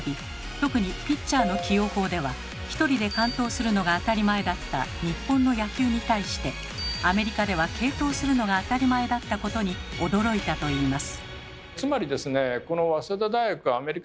特にピッチャーの起用法では１人で完投するのが当たり前だった日本の野球に対してアメリカでは継投するのが当たり前だったことに驚いたといいます。